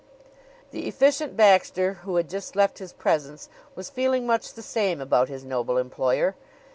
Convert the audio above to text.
The Efficient Baxter, who had just left his presence, was feeling much the same about his noble employer.